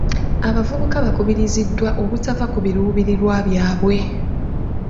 Abavubuka bakubiriziddwa obutava ku biruubirirwa byabwe.